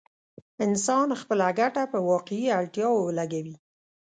انسان خپله ګټه په واقعي اړتياوو ولګوي.